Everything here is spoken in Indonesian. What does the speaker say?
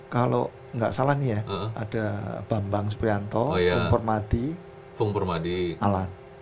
kalau nggak salah nih ya ada bambang suprianto sung formati alan